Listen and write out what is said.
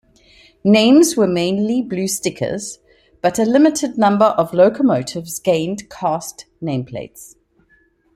Names were mainly blue stickers, but a limited number of locomotives gained cast nameplates.